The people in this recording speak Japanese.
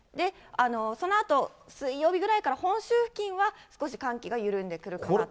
そのあと、水曜日ぐらいから本州付近は少し寒気が緩んでくるかなと。